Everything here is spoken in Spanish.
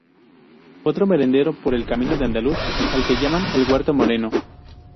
Otro merendero por el camino de Andaluz al que llaman El Huerto moreno.